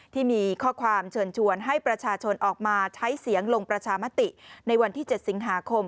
ที่มีข้อความเชิญชวนให้ประชาชนออกมาใช้เสียงลงประชามติในวันที่๗สิงหาคม